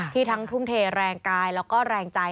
ทั้งทุ่มเทแรงกายแล้วก็แรงใจ